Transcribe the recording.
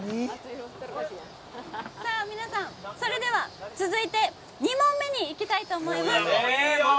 皆さん、それでは続いて２問目にいきたいと思います。